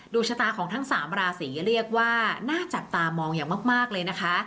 ชะตาของทั้ง๓ราศีเรียกว่าน่าจับตามองอย่างมากเลยนะคะ